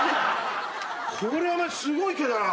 これはお前すごい毛だな。